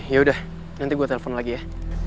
ya udah nanti gue telepon lagi ya